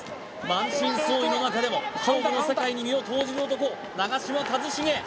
満身創痍の中でも勝負の世界に身を投じる男長嶋一茂！